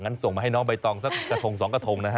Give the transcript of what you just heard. อ่ะงั้นส่งมาให้น้องไปต้องสักกระทงสองกระทงนะฮะ